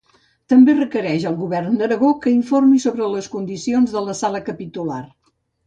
També requereix al Govern d'Aragó que informi sobre les condicions de la sala capitular.